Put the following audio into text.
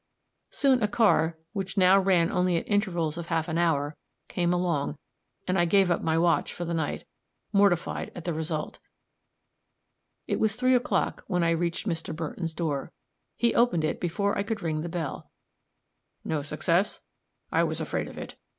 Soon a car, which now ran only at intervals of half an hour, came along, and I gave up my watch for the night, mortified at the result. It was three o'clock when I reached Mr. Burton's door. He opened it before I could ring the bell. "No success? I was afraid of it.